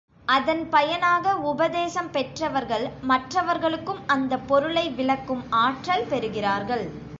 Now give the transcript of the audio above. அதன் பயனாக உபதேசம் பெற்றவர்கள் மற்றவர்களுக்கும் அந்தப் பொருளை விளக்கும் ஆற்றல் பெறுகிறார்கள்.